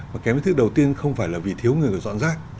mà kém ý thức đầu tiên không phải là vì thiếu người dọn rác